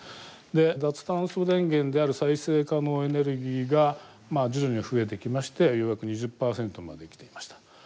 で脱炭素電源である再生可能エネルギーが徐々に増えてきましてようやく２０％まで来ていました。